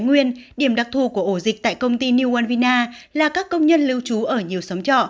nguyên điểm đặc thù của ổ dịch tại công ty new alvina là các công nhân lưu trú ở nhiều xóm trọ